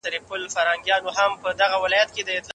د نن ورځې افغانان د سوله ييز ژوند برخه دي.